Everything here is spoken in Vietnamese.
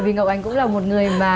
bởi vì ngọc anh cũng là một người mà